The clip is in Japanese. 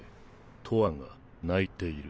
とわが泣いている。